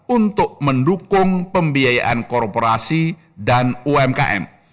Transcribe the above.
untuk mendukung pembiayaan korporasi dan umkm